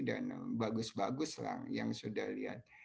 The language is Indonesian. dan bagus bagus lah yang sudah dilihat